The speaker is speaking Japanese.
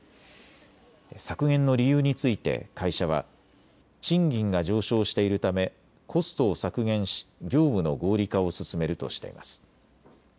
削減の理由について会社は賃金が上昇しているためコストを削減し、業務の合理化を進めるとしています。